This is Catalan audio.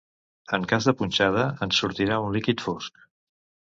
En cas de punxada, en sortirà un líquid fosc.